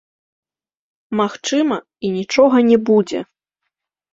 Магчыма, і нічога не будзе.